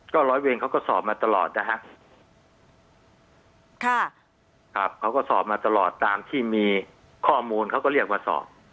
ก็ร้อยเวรเขาก็สอบมาตลอดนะฮะค่ะครับเขาก็สอบมาตลอดตามที่มีข้อมูลเขาก็เรียกว่าสอบ